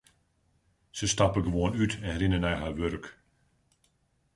Se stappe gewoan út en rinne nei har wurk.